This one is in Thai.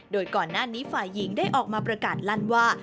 โดยก่อนหน้านี้ฝ่ายหญิงได้ออกมาประกาศลั่นว่า